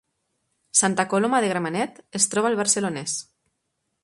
Santa Coloma de Gramenet es troba al Barcelonès